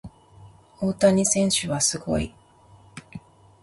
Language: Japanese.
大谷選手はすごい。